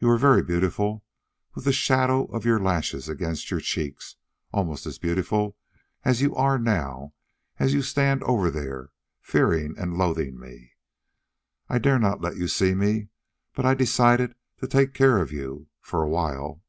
You were very beautiful with the shadow of your lashes against your cheek almost as beautiful as you are now as you stand over there, fearing and loathing me. I dared not let you see me, but I decided to take care of you for a while."